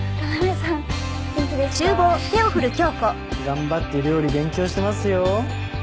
頑張って料理勉強してますよ。